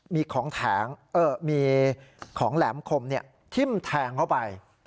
มีของมีของแหลมคมทิ้มแทงเข้าไป